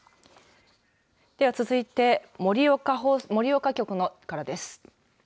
では続いて盛岡局からです。